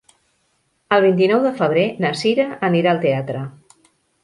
El vint-i-nou de febrer na Sira anirà al teatre.